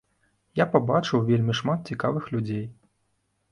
Я пабачыў вельмі шмат цікавых людзей.